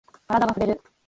カラダがふれる。